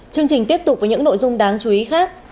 chương trình tiếp tục với những nội dung đáng chú ý khác